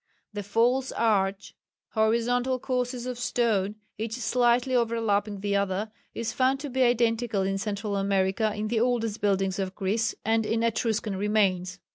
The "false arch" horizontal courses of stone, each slightly overlapping the other is found to be identical in Central America, in the oldest buildings of Greece, and in Etruscan remains.